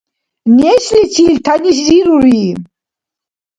Нешличил тяниширури.